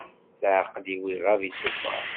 Leɛqel-iw iɣab isufer